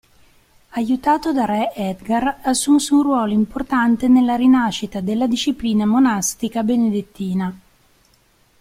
Aiutato da re Edgar, assunse un ruolo importante nella rinascita della disciplina monastica benedettina.